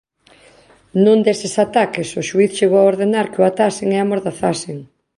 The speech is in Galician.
Nun deses ataques o xuíz chegou a ordenar que o atasen e amordazasen.